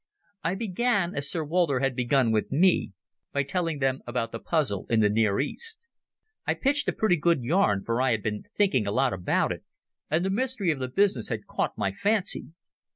I began, as Sir Walter had begun with me, by telling them about the puzzle in the Near East. I pitched a pretty good yarn, for I had been thinking a lot about it, and the mystery of the business had caught my fancy.